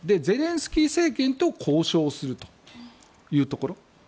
ゼレンスキー政権と交渉するというところ。